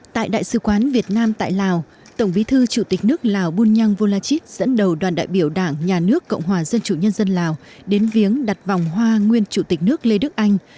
tại đại sứ quán việt nam tại lào tổng bí thư chủ tịch nước lào bunyang volachit dẫn đầu đoàn đại biểu đảng nhà nước cộng hòa dân chủ nhân dân lào đến viếng đặt vòng hoa nguyên chủ tịch nước lê đức anh